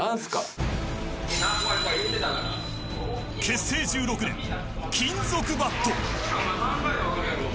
結成１６年、金属バット。